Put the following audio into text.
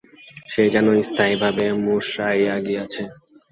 সে যেন স্থায়ীভাবেই মুষড়াইয়া গিয়াছে।